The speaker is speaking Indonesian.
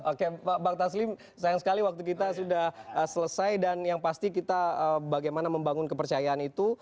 oke bang taslim sayang sekali waktu kita sudah selesai dan yang pasti kita bagaimana membangun kepercayaan itu